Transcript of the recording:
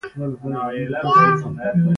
اصلي بهیر د سنتپالو په لاس کې دی.